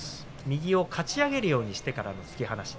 右をかち上げるようにしてからの突き放し。